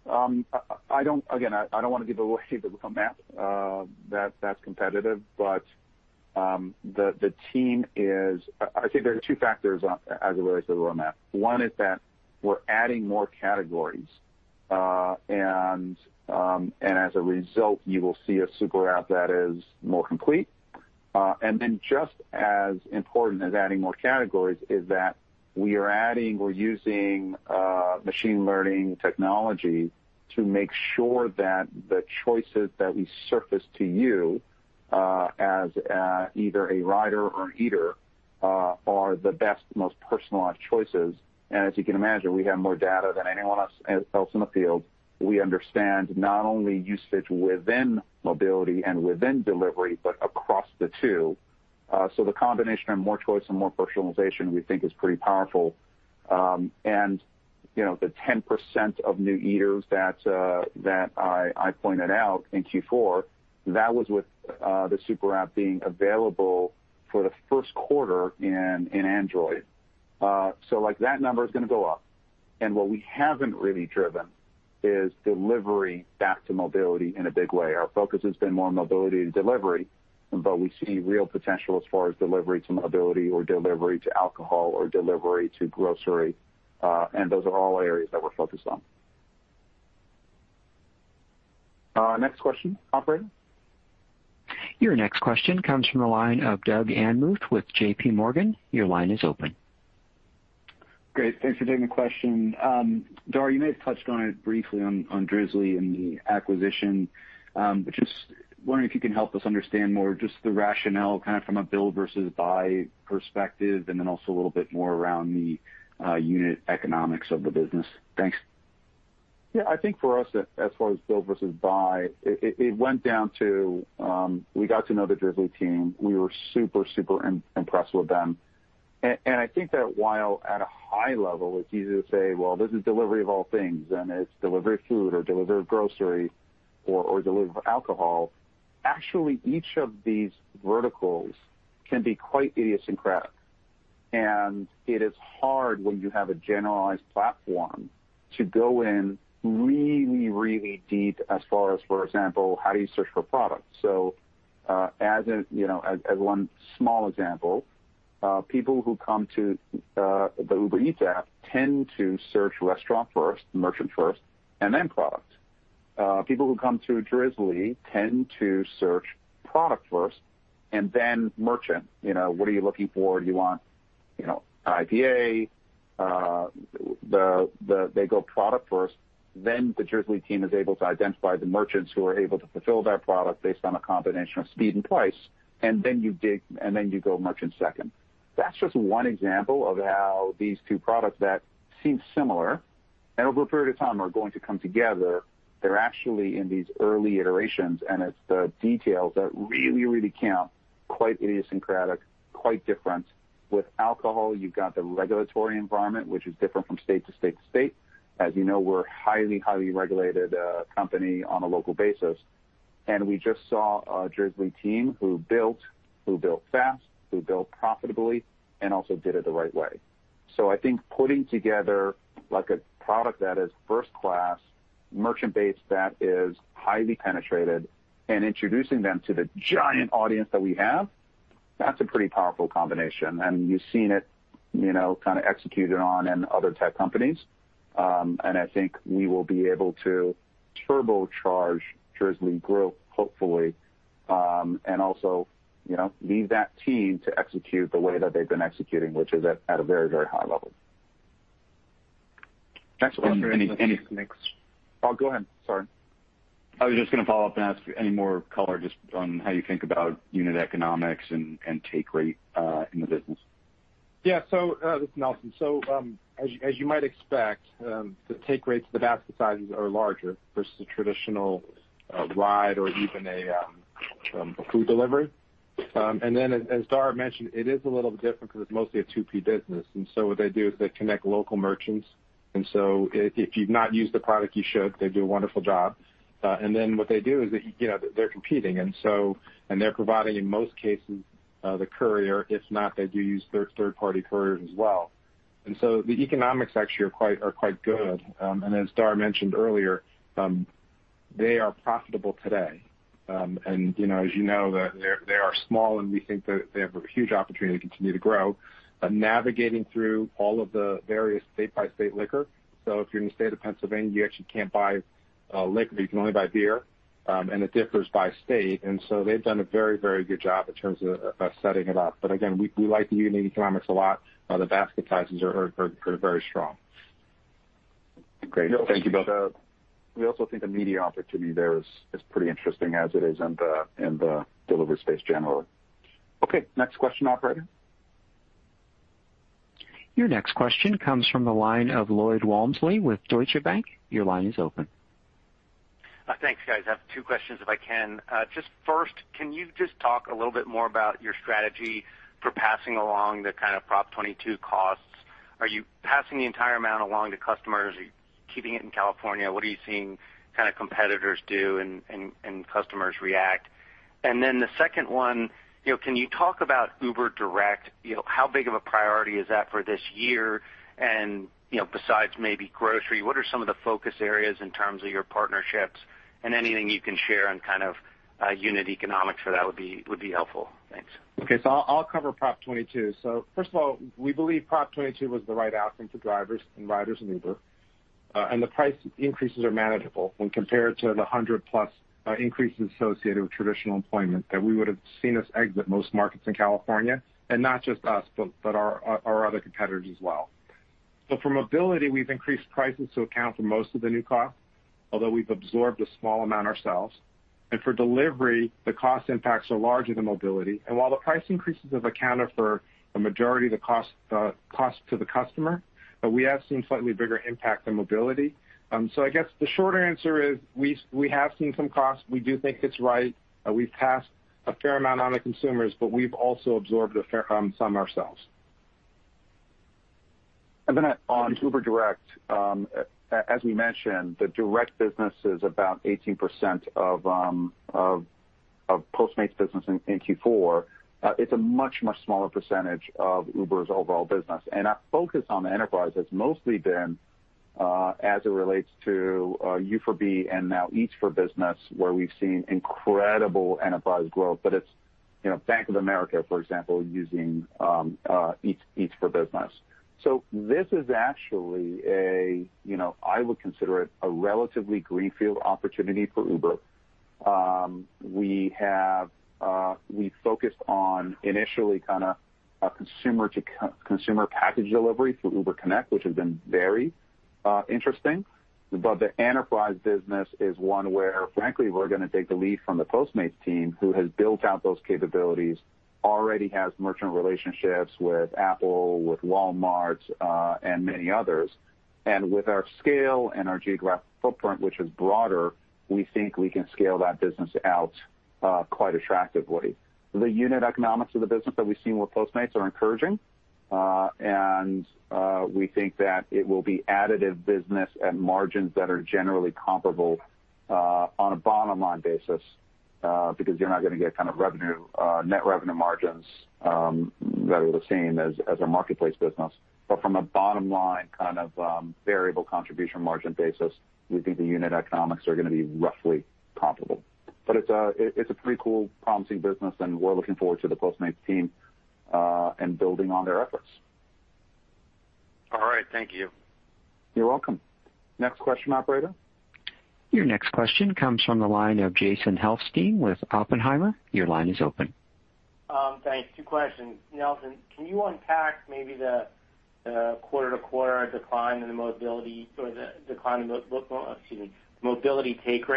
Yeah. I don't Again, I don't wanna give away the roadmap. That's competitive. The team is I think there are two factors on, as it relates to the roadmap. One is that we're adding more categories, and as a result, you will see an Uber Super App that is more complete. Then just as important as adding more categories is that we are adding or using machine learning technology to make sure that the choices that we surface to you as either a rider or an eater are the best, most personalized choices. As you can imagine, we have more data than anyone else in the field. We understand not only usage within mobility and within delivery but across the two. The combination of more choice and more personalization, we think is pretty powerful. You know, the 10% of new eaters that I pointed out in Q4, that was with the Uber Super App being available for the first quarter in Android. Like, that number is gonna go up. What we haven't really driven is delivery back to mobility in a big way. Our focus has been more on mobility to delivery, but we see real potential as far as delivery to mobility or delivery to alcohol or delivery to grocery, and those are all areas that we're focused on. Next question, operator. Your next question comes from the line of Doug Anmuth with JPMorgan. Your line is open. Great. Thanks for taking the question. Dara, you may have touched on it briefly on Drizly and the acquisition, but just wondering if you can help us understand more just the rationale kind of from a build versus buy perspective, and then also a little bit more around the unit economics of the business. Thanks. Yeah. I think for us, as far as build versus buy. It went down to, we got to know the Drizly team. We were super impressed with them. I think that while at a high level, it's easy to say. Well, this is delivery of all things, and it's delivery of food or delivery of grocery or delivery of alcohol. Actually, each of these verticals can be quite idiosyncratic, and it is hard when you have a generalized platform to go in really deep as far as, for example, how do you search for products? As a, you know, as one small example, people who come to the Uber Eats app tend to search restaurant first, merchant first, and then product. People who come to Drizly tend to search product first and then merchant. You know, what are you looking for? Do you want, you know, IPA? They go product first, then the Drizly team is able to identify the merchants who are able to fulfill that product based on a combination of speed and price, and then you dig, and then you go merchant second. That's just one example of how these two products that seem similar and over a period of time are going to come together. They're actually in these early iterations, and it's the details that really count, quite idiosyncratic, quite different. With alcohol, you've got the regulatory environment, which is different from state to state to state. As you know, we're a highly regulated company on a local basis. We just saw a Drizly team who built fast, who built profitably and also did it the right way. I think putting together, like, a product that is first class merchant base that is highly penetrated and introducing them to the giant audience that we have. That's a pretty powerful combination, and you've seen it, you know, kind of executed on in other tech companies. I think we will be able to turbocharge Drizly growth, hopefully, and also, you know, leave that team to execute the way that they've been executing, which is at a very high level. Next question? <crosstalk> Oh, go ahead. Sorry. I was just gonna follow up and ask any more color just on how you think about unit economics and take rate in the business. Yeah. This is Nelson. As you might expect, the take rates, the basket sizes are larger versus the traditional ride or even a food delivery. As Dara mentioned, it is a little bit different because it's mostly a 2P business. What they do is they connect local merchants, if you've not used the product you should. They do a wonderful job. What they do is that, you know, they're competing. They're providing in most cases the courier, if not they do use third-party couriers as well. The economics actually are quite good. As Dara mentioned earlier, they are profitable today. As you know, they are small, and we think that they have a huge opportunity to continue to grow. Navigating through all of the various state-by-state liquor, if you're in the state of Pennsylvania, you actually can't buy liquor. You can only buy beer and it differs by state. They've done a very, very good job in terms of setting it up. Again, we like the unit economics a lot. The basket sizes are very strong. Great. Thank you both. We also think the media opportunity there is pretty interesting as it is in the delivery space generally. Next question, operator. Your next question comes from the line of Lloyd Walmsley with Deutsche Bank. Your line is open. Thanks, guys. I have two questions if I can. Just first, can you just talk a little bit more about your strategy for passing along the kind of Proposition 22 costs? Are you passing the entire amount along to customers? Are you keeping it in California? What are you seeing kind of competitors do and customers react? Then the second one, you know, can you talk about Uber Direct? You know, how big of a priority is that for this year? And, you know, besides maybe grocery, what are some of the focus areas in terms of your partnerships? And anything you can share on kind of unit economics for that would be helpful. Thanks. Okay. I'll cover Proposition 22 cost. First of all, we believe Proposition 22 cost was the right outcome for drivers and riders in Uber, and the price increases are manageable when compared to the 100 plus increases associated with traditional employment that we would've seen us exit most markets in California, and not just us. But our other competitors as well. For mobility, we've increased prices to account for most of the new costs, although we've absorbed a small amount ourselves. For delivery, the cost impacts are larger than mobility. While the price increases have accounted for a majority of the cost to the customer, but we have seen slightly bigger impact than mobility. I guess the short answer is we have seen some costs. We do think it's right. We've passed a fair amount on to consumers, we've also absorbed a fair sum ourselves. On Uber Direct, as we mentioned the direct business is about 18% of Postmates business in Q4. It's a much smaller percentage of Uber's overall business. Our focus on the enterprise has mostly been as it relates to Uber for Business and now Eats for Business, where we've seen incredible enterprise growth. It's, you know, Bank of America. For example, using Eats for Business. This is actually a, you know, I would consider it a relatively greenfield opportunity for Uber. We have, we focused on initially kinda a consumer to consumer package delivery through Uber Connect, which has been very interesting. The enterprise business is on where frankly, we're gonna take the lead from the Postmates team, who has built out those capabilities already has merchant relationships with Apple, with Walmart, and many others. With our scale and our geographic footprint, which is broader, we think we can scale that business out quite attractively. The unit economics of the business that we've seen with Postmates are encouraging. And we think that it will be additive business and margins that are generally comparable on a bottom line basis because you're not gonna get kind of revenue net revenue margins that are the same as a marketplace business. From a bottom line, kind of variable contribution margin basis, we think the unit economics are gonna be roughly comparable. It's a pretty cool, promising business, and we're looking forward to the Postmates team and building on their efforts. All right. Thank you. You're welcome. Next question, operator. Your next question comes from the line of Jason Helfstein with Oppenheimer. Your line is open. Thanks. Two questions. Nelson, can you unpack maybe the quarter-to-quarter decline in the mobility or the decline in mobility take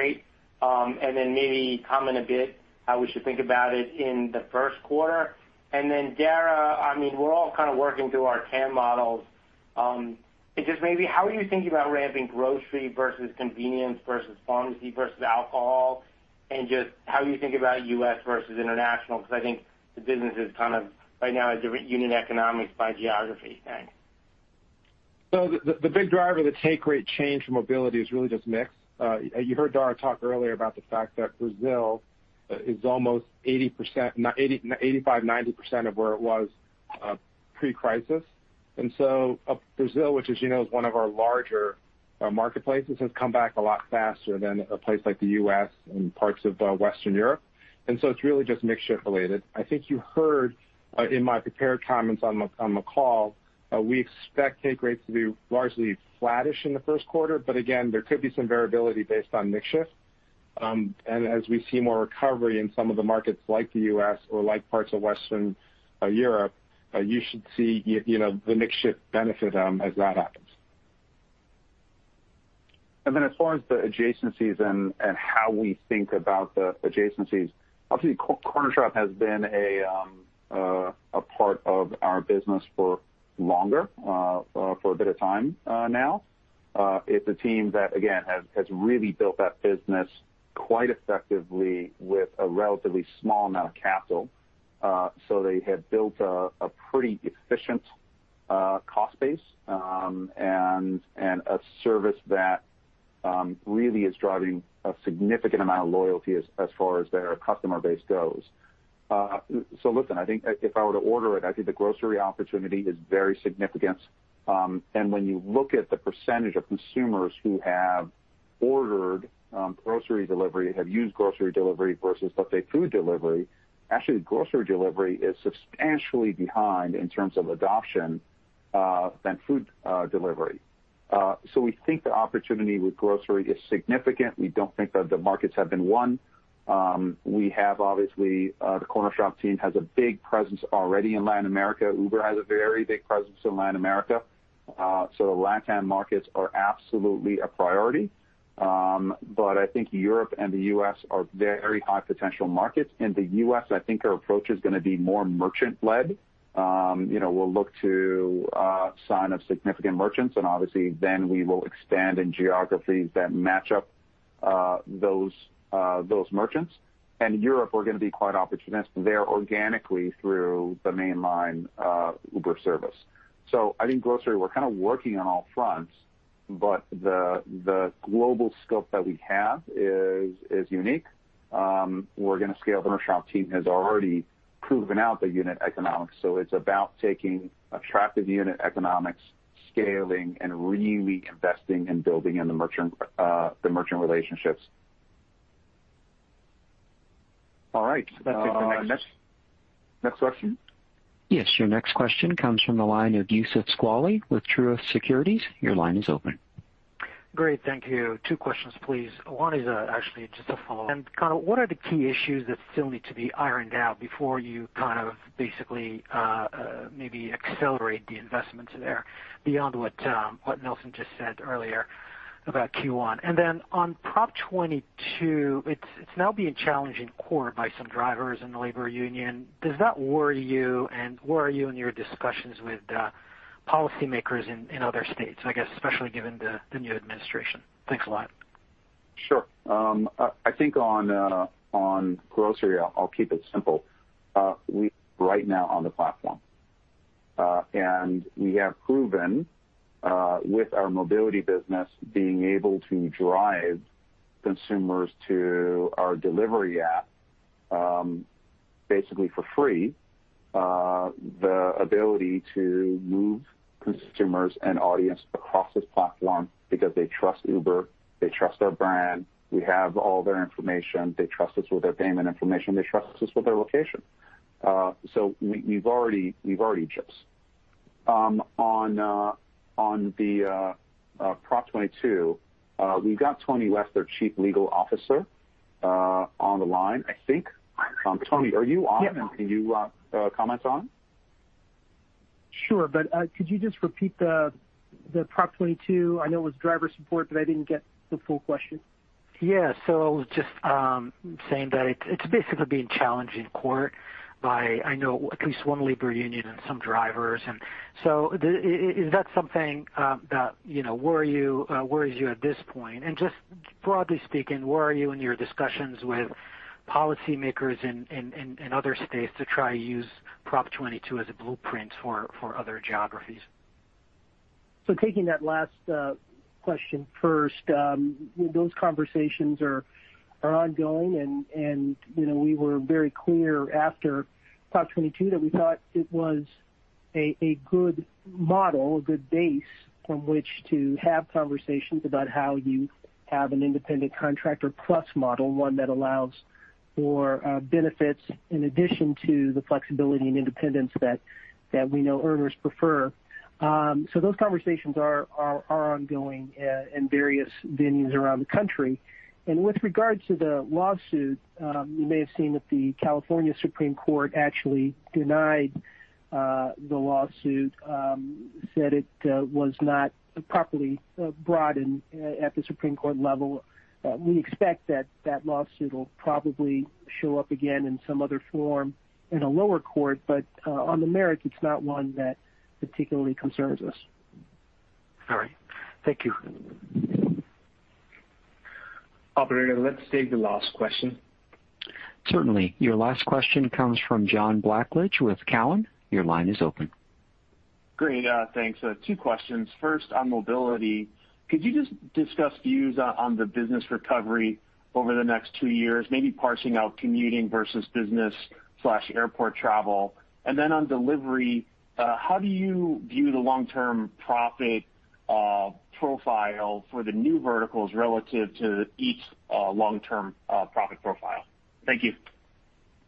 rate? Maybe comment a bit how we should think about it in the first quarter. Dara, I mean, we're all kind of working through our TAM models. Just maybe how are you thinking about ramping grocery versus convenience versus pharmacy versus alcohol, and just how you think about U.S. versus international? Because I think the business is kind of right now a different unit economics by geography. Thanks. The big driver of the take rate change for mobility is really just mix. You heard Dara talk earlier about the fact that Brazil is almost 85%-90% of where it was pre-crisis. Brazil, which as you know, is one of our larger marketplaces has come back a lot faster than a place like the U.S. and parts of Western Europe. It's really just mix shift related. I think you heard in my prepared comments on the call, we expect take rates to be largely flattish in the first quarter, but again, there could be some variability based on mix shift. As we see more recovery in some of the markets like the U.S. or like parts of Western Europe, you should see, you know, the mix shift benefit as that happens. As far as the adjacencies and how we think about the adjacencies. Obviously, Cornershop has been a part of our business for longer for a bit of time now. It's a team that again has really built that business quite effectively with a relatively small amount of capital. They have built a pretty efficient cost base and a service that really is driving a significant amount of loyalty as far as their customer base goes. Listen, I think if I were to order it, I think the grocery opportunity is very significant. When you look at the percentage of consumers who have ordered grocery delivery, have used grocery delivery versus let's say food delivery, actually grocery delivery is substantially behind in terms of adoption than food delivery. We think the opportunity with grocery is significant. We don't think that the markets have been won. We have obviously, the Cornershop team has a big presence already in Latin America. Uber has a very big presence in Latin America. The LatAm markets are absolutely a priority. I think Europe and the U.S. are very high potential markets. In the U.S., I think our approach is gonna be more merchant-led. You know, we'll look to sign up significant merchants and obviously then we will expand in geographies that match up those merchants. Europe, we're gonna be quite opportunistic there organically through the mainline Uber service. I think grocery, we're kind of working on all fronts but the global scope that we have is unique. We're gonna scale. The Cornershop team has already proven out the unit economics, so it's about taking attractive unit economics, scaling, and really investing and building in the merchant, the merchant relationships. All right. Let's take the next question. Yes. Your next question comes from the line of Youssef Squali with Truist Securities. Your line is open. Great. Thank you. Two questions, please. One is, actually just a follow-on, kind of what are the key issues that still need to be ironed out before you kind of basically, maybe accelerate the investments there beyond what Nelson just said earlier about Q1? Then on Proposition 22 cost, it's now being challenged in court by some drivers and the labor union. Does that worry you? Where are you in your discussions with policymakers in other states. I guess, especially given the new administration? Thanks a lot. Sure. I think on grocery, I'll keep it simple. We right now on the platform. We have proven with our mobility business being able to drive consumers to our delivery app. Basically for free, the ability to move consumers and audience across this platform because they trust Uber, they trust our brand. We have all their information. They trust us with their payment information. They trust us with their location. We've already. On Proposition 22 cost, we've got Tony West, their Chief Legal Officer on the line. I think, Tony, are you on? Yeah, I'm on. Can you comment on? Sure. Could you just repeat the Proposition 22 cost? I know it was driver support, but I didn't get the full question. Yeah. I was just saying that it's basically being challenged in court by, I know at least one labor union and some drivers. Is that something, you know, worries you at this point? Just broadly speaking, where are you in your discussions with policymakers in other states to try to use Proposition 22 cost as a blueprint for other geographies? Taking that last question first, those conversations are ongoing, and you know, we were very clear after Proposition 22 cost that we thought it was a good model. A good base from which to have conversations about how you have an independent contractor plus model. One that allows for benefits in addition to the flexibility and independence that we know earners prefer. Those conversations are ongoing in various venues around the country. With regards to the lawsuit, you may have seen that the Supreme Court of California actually denied the lawsuit, said it was not properly broadened at the Supreme Court level. We expect that that lawsuit will probably show up again in some other form in a lower court, but on the merits. It's not one that particularly concerns us. All right. Thank you. Operator, let's take the last question. Certainly. Your last question comes from John Blackledge with Cowen. Your line is open. Great. thanks. two questions. First, on mobility could you just discuss views on the business recovery over the next two years, maybe parsing out commuting versus business or airport travel? On delivery, how do you view the long-term profit profile for the new verticals relative to each long-term profit profile. Thank you.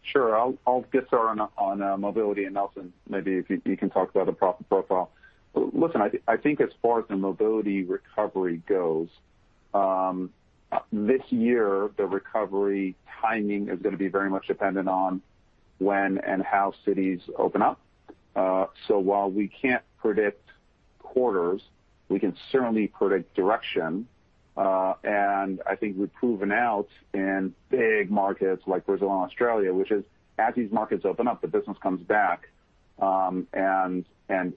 Sure. I'll get started on mobility and Nelson. Maybe if you can talk about the profit profile. Listen, I think as far as the mobility recovery goes. This year, the recovery timing is going to be very much dependent on when and how cities open up. While we can't predict quarters, we can certainly predict direction. I think we've proven out in big markets like Brazil and Australia, which is as these markets open up the business comes back.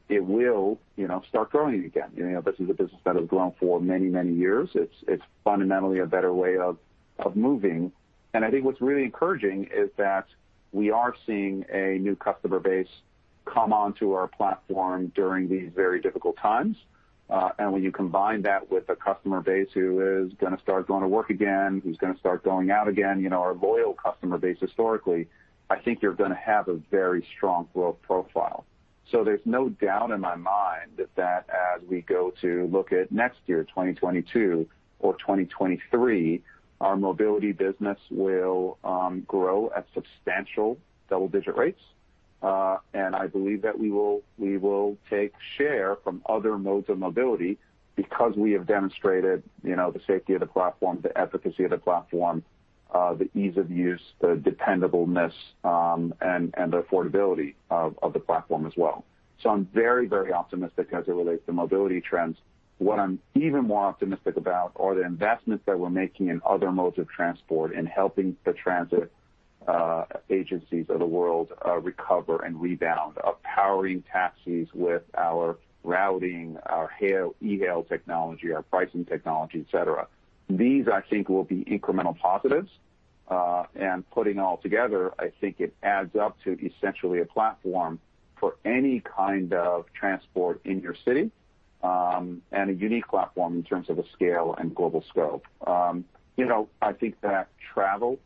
It will, you know, start growing again. You know, this is a business that has grown for many years. It's fundamentally a better way of moving. I think what's really encouraging is that we are seeing a new customer base come onto our platform during these very difficult times. When you combine that with a customer base who is gonna start going to work again, who's gonna start going out again, you know, our loyal customer base historically, I think you're gonna have a very strong growth profile. There's no doubt in my mind that as we go to look at next year, 2022 or 2023. Our mobility business will grow at substantial double-digit rates. I believe that we will take share from other modes of mobility because we have demonstrated, you know, the safety of the platform, the efficacy of the platform, the ease of use, the dependableness, and the affordability of the platform as well. I'm very, very optimistic as it relates to mobility trends. What I'm even more optimistic about are the investments that we're making in other modes of transport in helping the transit agencies of the world recover and rebound. Of powering taxis with our routing, our hail, e-hail technology, our pricing technology, et cetera. These, I think, will be incremental positives. Putting all together, I think it adds up to essentially a platform for any kind of transport in your city, and a unique platform in terms of the scale and global scope. You know, I think that travel,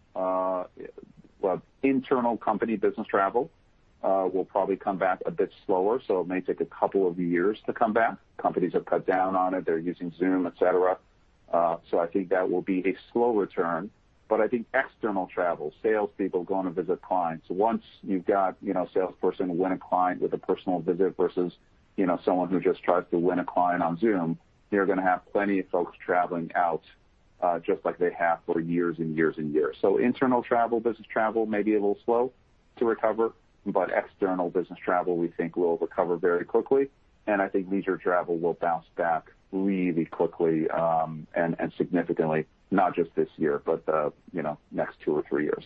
well, internal company business travel will probably come back a bit slower, so it may take a couple of years to come back. Companies have cut down on it. They're using Zoom, et cetera. I think that will be a slow return. I think external travel, salespeople going to visit clients. Once you've got, you know, a salesperson win a client with a personal visit versus, you know, someone who just tries to win a client on Zoom, you're gonna have plenty of folks traveling out, just like they have for year-on-year. Internal travel, business travel may be a little slow to recover, but external business travel. We think will recover very quickly. I think leisure travel will bounce back really quickly and significantly not just this year. But, you know, next two or three years.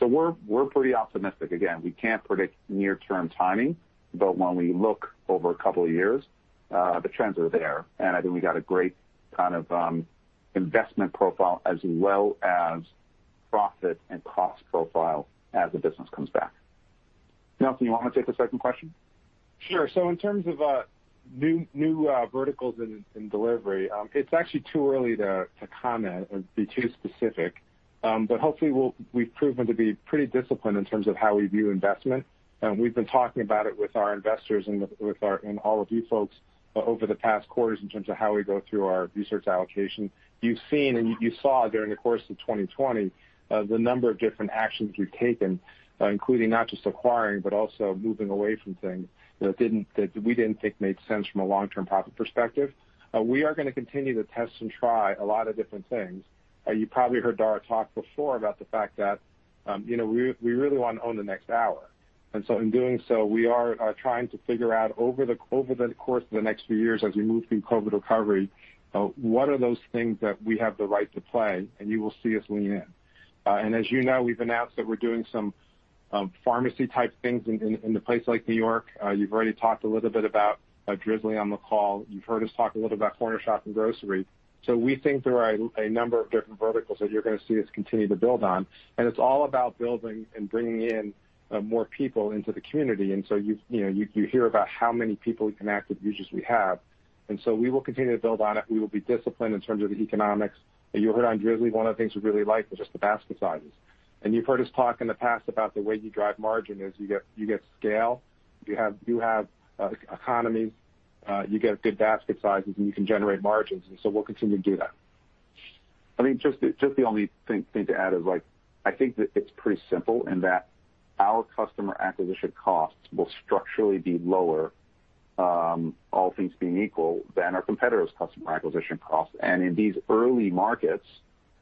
We're, we're pretty optimistic. Again, we can't predict near-term timing, but when we look over a couple of years. The trends are there. I think we got a great kind of, investment profile as well as profit and cost profile as the business comes back. Nelson, you wanna take the second question? Sure. In terms of new verticals in delivery, it's actually too early to comment or be too specific. Hopefully, we've proven to be pretty disciplined in terms of how we view investment. We've been talking about it with our investors and with our, and all of you folks over the past quarters in terms of how we go through our resource allocation. You've seen and you saw during the course of 2020, the number of different actions, we've taken including not just acquiring but also moving away from things that we didn't think made sense from a long-term profit perspective. We are gonna continue to test and try a lot of different things. You probably heard Dara talk before about the fact that, you know, we really wanna own the next hour. In doing so, we are trying to figure out over the course of the next few years as we move through COVID recovery. What are those things that we have the right to play, and you will see us lean in. As you know, we've announced that we're doing some pharmacy-type things in the place like New York. You've already talked a little bit about Drizly on the call. You've heard us talk a little about Cornershop and grocery. We think there are a number of different verticals that you're gonna see us continue to build on, and it's all about building and bringing in more people into the community. You've, you know, you hear about how many people we connect with users we have. We will continue to build on it. We will be disciplined in terms of the economics. You heard on Drizly, one of the things we really like was just the basket sizes. You've heard us talk in the past about the way you drive margin is you get scale. You have economies. You get good basket sizes and you can generate margins. We'll continue to Dara. I mean, just the only thing to add is like, I think that it's pretty simple in that our customer acquisition costs will structurally be lower. All things being equal, than our competitors' customer acquisition costs. In these early markets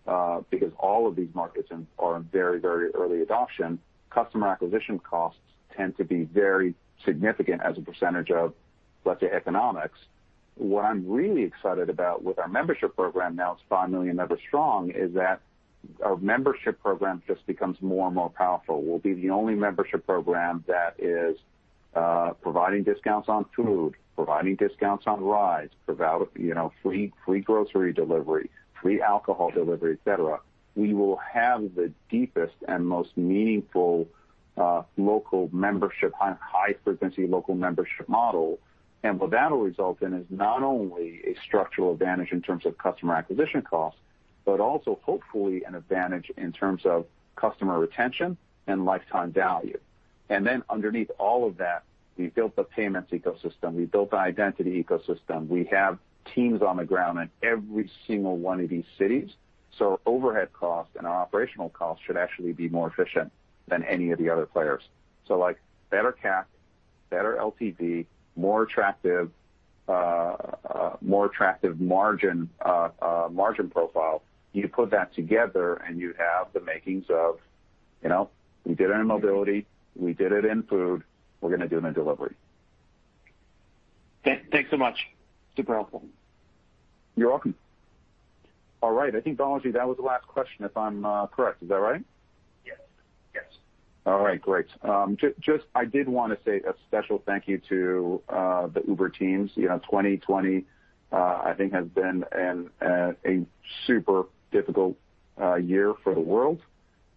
because, all of these markets are in very, very early adoption, customer acquisition costs tend to be very significant as a percentage of economics. What I'm really excited about with our membership program, now it's 5 million members strong, is that our membership program just becomes more and more powerful. We'll be the only membership program that is providing discounts on food, providing discounts on rides, you know, free grocery delivery, free alcohol delivery, et cetera. We will have the deepest and most meaningful local membership high-frequency local membership model. What that'll result in is not only a structural advantage in terms of customer acquisition costs, but also hopefully an advantage in terms of customer retention and lifetime value. Underneath all of that, we've built a payments ecosystem. We've built an identity ecosystem. We have teams on the ground in every single one of these cities. Overhead costs and our operational costs should actually be more efficient than any of the other players. Like better CAC, better LTV, more attractive margin profile. You put that together, you have the makings of, you know, we did it in mobility. We did it in food. We're gonna do it in delivery. Thanks so much. Super helpful. You're welcome. All right. I think, Balaji, that was the last question, if I'm correct. Is that right? Yes. Yes. All right. Great. Just I did wanna say a special thank you to the Uber teams. You know, 2020, I think has been an a super difficult year for the world.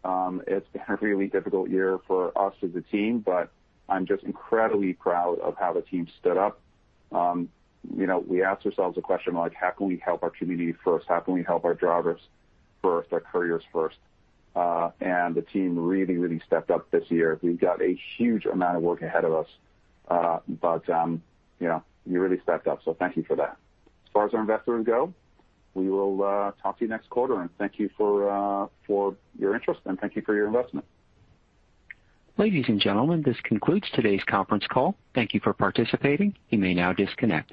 It's been a really difficult year for us as a team, but I'm just incredibly proud of how the team stood up. You know, we asked ourselves a question like, "How can we help our community first? How can we help our drivers first, our couriers first?" The team really stepped up this year. We've got a huge amount of work ahead of us. You know, you really stepped up. Thank you for that. As far as our investors go, we will talk to you next quarter, thank you for your interest, thank you for your investment. Ladies and gentlemen, this concludes today's conference call. Thank you for participating. You may now disconnect.